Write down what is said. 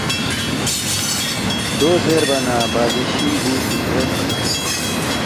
دو زیربا نہ بادشی بُو سی زیرس،